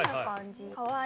かわいい。